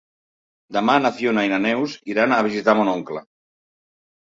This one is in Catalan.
Demà na Fiona i na Neus iran a visitar mon oncle.